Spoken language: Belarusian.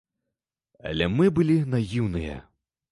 Але мы былі наіўныя.